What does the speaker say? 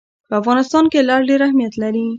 په افغانستان کې لعل ډېر اهمیت لري.